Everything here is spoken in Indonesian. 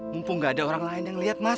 mumpung gak ada orang lain yang lihat mas